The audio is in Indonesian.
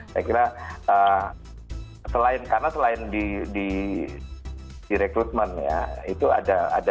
saya kira karena selain di rekrutmen ya itu ada